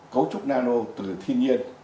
cấu trúc nano từ thiên nhiên